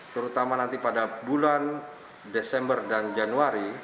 terutama nanti pada bulan desember dan januari